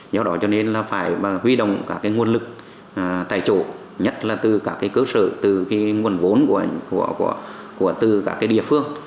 do đó cho nên là phải huy động cả cái nguồn lực tại chỗ nhất là từ cả cái cơ sở từ cái nguồn vốn của từ cả cái địa phương